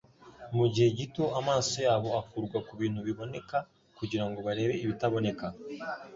Mu gihe gito amaso yabo akurwa "ku bintu biboneka kugira ngo barebe ibitaboneka."